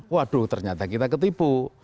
waduh ternyata kita ketipu